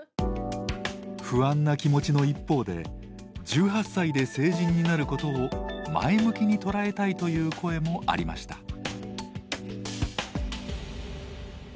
不安な気持ちの一方で１８歳で成人になることを前向きにとらえたいという声もありました。